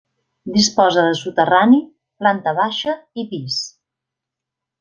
Disposa de soterrani, planta baixa i pis.